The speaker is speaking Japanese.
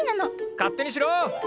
勝手にしろ！